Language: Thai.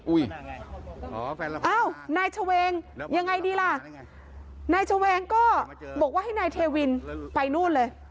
อ้าวนายเฉวงยังไงดีล่ะนายเฉวงก็บอกว่าให้นายเทวินไปนู่นเลย